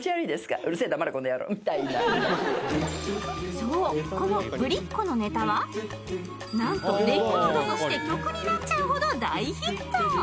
そうこのぶりっ子のネタはなんとレコードとして曲になっちゃうほど大ヒット！